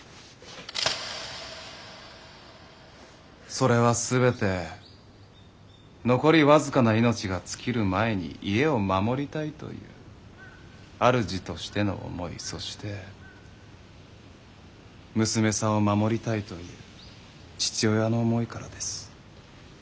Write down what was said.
それは全て残り僅かな命が尽きる前に家を守りたいという主としての思いそして娘さんを守りたいという父親の思いからです。